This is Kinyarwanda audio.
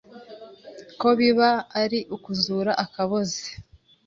ko biba ari ukuzura akaboze